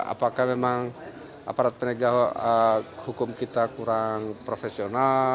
apakah memang aparat penegak hukum kita kurang profesional